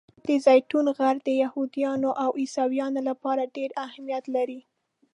د زیتون غر د یهودانو او عیسویانو لپاره ډېر اهمیت لري.